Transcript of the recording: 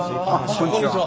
こんにちは。